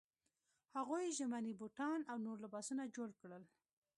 هغوی ژمني بوټان او نور لباسونه جوړ کړل.